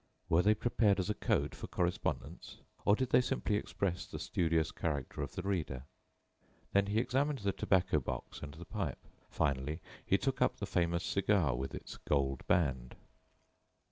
Were they prepared as a code for correspondence, or did they simply express the studious character of the reader? Then he examined the tobacco box and the pipe. Finally, he took up the famous cigar with its gold band.